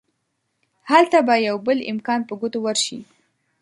هلته به يو بل امکان په ګوتو ورشي.